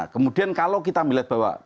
kemudian kalau kita melihat bahwa